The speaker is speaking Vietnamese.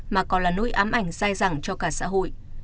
mà còn là nỗi ám ảnh sai rẳng cho cả xã hội